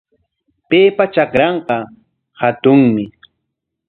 Paypa trakranqa hatunmi.